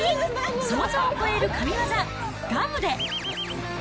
想像を越える神業、ガムで×××。